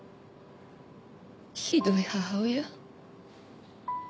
ひどい母親。